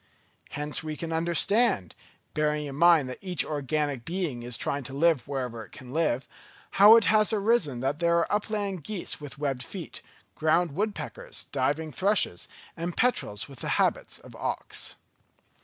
Hence we can understand, bearing in mind that each organic being is trying to live wherever it can live, how it has arisen that there are upland geese with webbed feet, ground woodpeckers, diving thrushes, and petrels with the habits of auks.